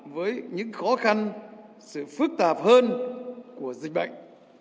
với những khó khăn sự phức tạp hơn của dịch bệnh